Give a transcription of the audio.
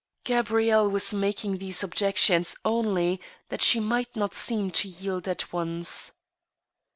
Gabrielle was making these objections only that she might not seem to yield at once.